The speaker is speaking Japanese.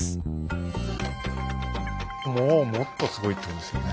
もうもっとすごいってことですよね。